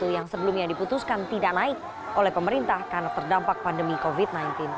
yang sebelumnya diputuskan tidak naik oleh pemerintah karena terdampak pandemi covid sembilan belas